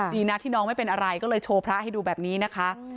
ดีนะที่น้องไม่เป็นอะไรก็เลยโชว์พระให้ดูแบบนี้นะคะ